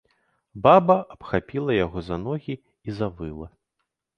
Баба абхапіла яго за ногі і завыла.